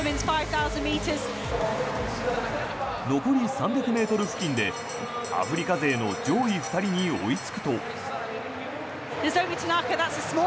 残り３００ｍ付近でアフリカ勢の上位２人に追いつくと。